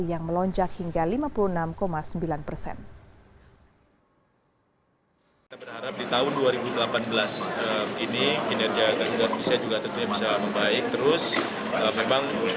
yang melonjak hingga lima puluh enam sembilan persen